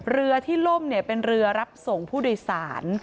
เรือที่ล่มเป็นเรือรับส่งผู้โดยสาร